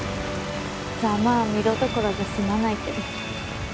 ざまぁ見ろどころじゃ済まないけど。